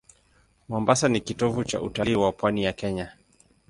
Mombasa ni kitovu cha utalii wa pwani ya Kenya.